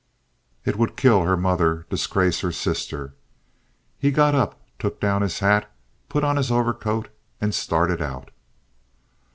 It would kill her mother, disgrace her sister. He got up, took down his hat, put on his overcoat, and started out.